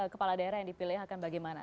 kepala daerah yang dipilih akan bagaimana